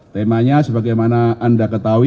temanya sebagaimana anda ketahui